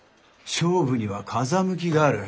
勝負には風向きがある。